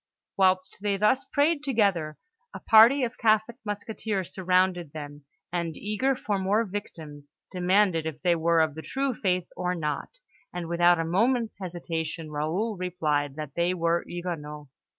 Whilst they thus prayed together, a party of Catholic musketeers surrounded them, and, eager for more victims, demanded if they were of the true faith or not; and without a moment's hesitation, Raoul replied that they were Huguenots.